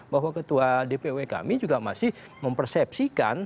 bahwa ketua dpw kami juga masih mempersepsikan